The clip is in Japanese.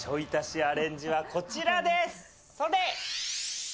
アレンジはこちらです。